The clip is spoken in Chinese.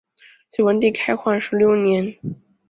隋文帝开皇十六年。